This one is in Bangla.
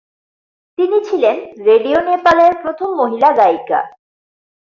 তিনি ছিলেন রেডিও নেপালের প্রথম মহিলা গায়িকা।